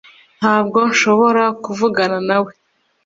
Ntabwo nshobora kuvugana nawe